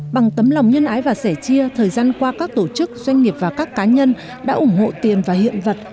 bằng tấm lòng nhân ái và sẻ chia thời gian qua các tổ chức doanh nghiệp và các cá nhân đã ủng hộ tiền và hiện vật